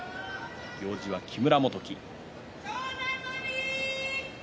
行司は木村元基。